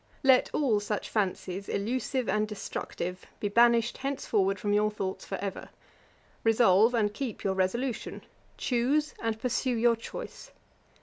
'Let all such fancies, illusive and destructive, be banished henceforward from your thoughts for ever. Resolve, and keep your resolution; choose, and pursue your choice.